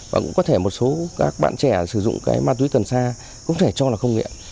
và cũng có thể một số các bạn trẻ sử dụng cái ma túy cần xa cũng thể cho là không nghiện